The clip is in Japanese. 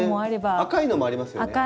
赤いのもありますよね。